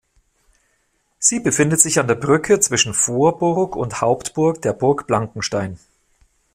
Sie befindet sich an der Brücke zwischen Vorburg und Hauptburg der Burg Blankenstein.